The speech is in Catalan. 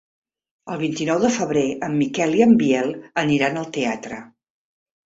El vint-i-nou de febrer en Miquel i en Biel aniran al teatre.